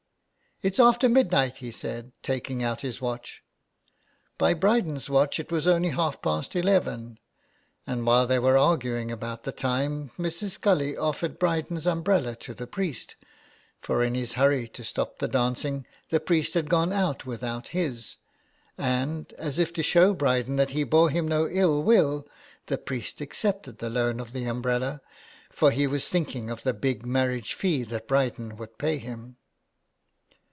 " It's after midnight," he said, taking out his watch. By Bryden's watch it was only half past eleven, and while they were arguing about the time Mrs. Scully offered Bryden's umbrella to the priest, for in his hurry to stop the dancing the priest had gone out without his ; and, as if to show Bryden that he bore him no ill will, the priest accepted the loan of the umbrella, for he was thinking of the big marriage fee that Bryden would pay him.